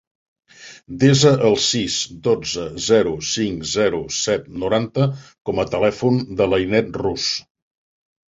Desa el sis, dotze, zero, cinc, zero, set, noranta com a telèfon de l'Ainet Ruz.